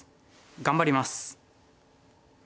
頑張ります！